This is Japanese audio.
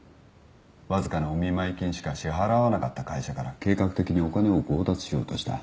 わずかなお見舞金しか支払わなかった会社から計画的にお金を強奪しようとした。